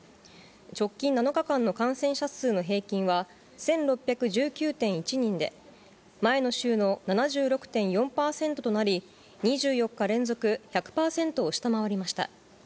直近７日間の感染者数の平均は１６１９．１人で、前の週の７６．４％となり、２４日連続１００％を下回りました。